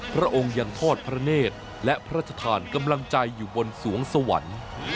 พระองค์ยังทอดพระเนธและพระราชทานกำลังใจอยู่บนสวงสวรรค์